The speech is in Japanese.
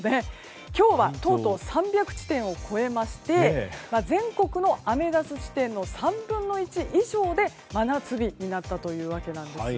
今日は、とうとう３００地点を超えまして全国のアメダス地点の３分の１以上で真夏日になったというわけなんです。